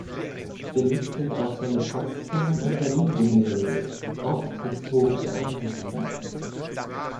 Beliebt sind auch seine Potsdam- und Berlin-Gemälde, oft historische Ansichten.